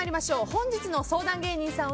本日の相談芸人さん